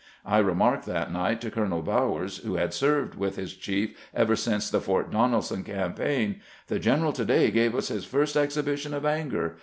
I remarked that night to Colonel Bowers, who had served with his chief ever since the Fort Donelson cam paign :" The general to day gave us his first exhibition of anger.